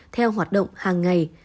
theo hoạt động hàng ngày